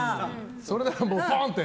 それならポンって？